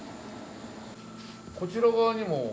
こちら側にも。